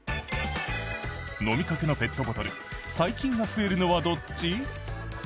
飲みかけのペットボトル細菌が増えるのはどっち？